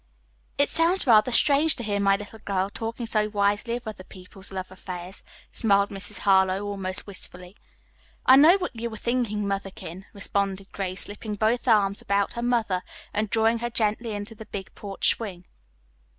"It sounds rather strange to hear my little girl talking so wisely of other people's love affairs," smiled Mrs. Harlowe almost wistfully. "I know what you are thinking, Motherkin," responded Grace, slipping both arms about her mother and drawing her gently into the big porch swing.